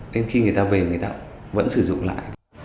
nên khi người ta về người ta vẫn sử dụng lại